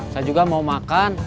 saya juga mau makan